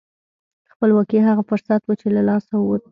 خپلواکي هغه فرصت و چې له لاسه ووت.